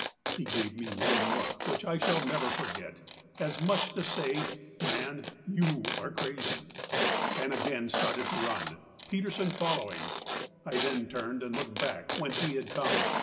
â He gave me one look, which I shall never forget, as much as to say, âMan, you are crazy,â and again started to run, Peterson following. I then turned and looked back whence we had come.